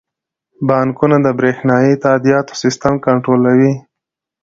بانکونه د بریښنايي تادیاتو سیستم کنټرولوي.